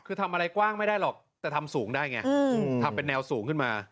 คือทำอะไรกว้างไม่ได้หรอกแต่ทำสูงได้ไงทำเป็นแนวสูงขึ้นมา